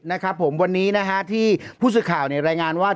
นะครับผมวันนี้นะฮะที่ผู้สื่อข่าวรายงานว่า